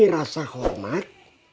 tapi rasa hormat